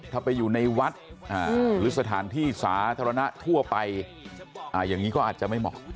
ถ้าไปอยู่ในวัดหรือสถานที่สาธารณะทั่วไปอย่างนี้ก็อาจจะไม่เหมาะ